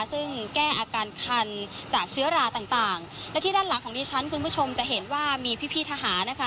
ซึ่งแก้อาการคันจากเชื้อราต่างต่างและที่ด้านหลังของดิฉันคุณผู้ชมจะเห็นว่ามีพี่พี่ทหารนะคะ